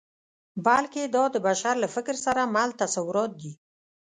بلکې دا د بشر له فکر سره مل تصورات دي.